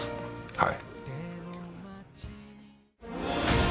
はい。